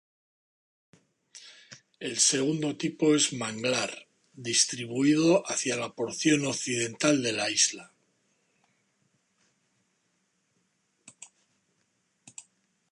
El segundo tipo es manglar, distribuido hacia la porción occidental de la isla.